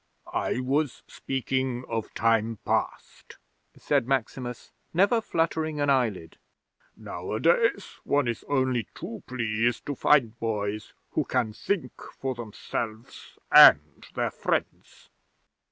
'"I was speaking of time past," said Maximus, never fluttering an eyelid. "Nowadays one is only too pleased to find boys who can think for themselves, and their friends."